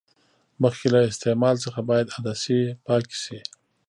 مخکې له استعمال څخه باید عدسې پاکې شي.